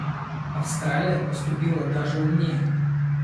Австралия поступила даже умнее.